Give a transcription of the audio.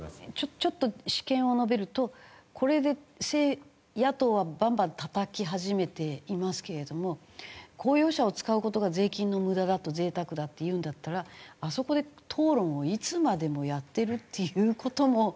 ちょっと私見を述べるとこれで野党はバンバンたたき始めていますけれども公用車を使う事が税金の無駄だと贅沢だって言うんだったらあそこで討論をいつまでもやってるっていう事もなんか。